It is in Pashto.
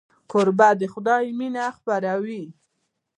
کوربه د خدای مینه خپروي.